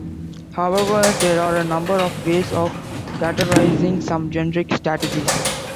However, there are a number of ways of categorizing some generic strategies.